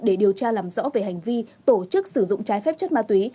để điều tra làm rõ về hành vi tổ chức sử dụng trái phép chất ma túy